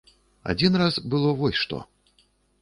Адзін раз было вось што.